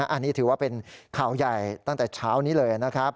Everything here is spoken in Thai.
อันนี้ถือว่าเป็นข่าวใหญ่ตั้งแต่เช้านี้เลยนะครับ